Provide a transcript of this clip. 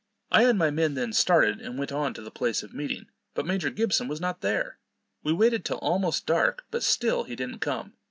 I and my men then started, and went on to the place of meeting, but Major Gibson was not there. We waited till almost dark, but still he didn't come.